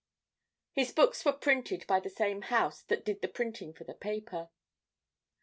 His books were printed by the same house that did the printing for the paper.